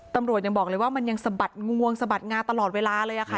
ตำรวจยังบอกเลยว่ามันยังสะบัดงวงสะบัดงาตลอดเวลาเลยค่ะ